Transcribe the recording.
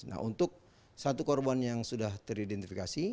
nah untuk satu korban yang sudah teridentifikasi